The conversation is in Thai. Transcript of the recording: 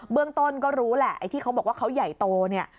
เรื่องต้นก็รู้แหละไอ้ที่เขาบอกว่าเขาใหญ่โตเนี่ย